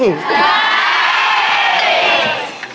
ใช่แทนที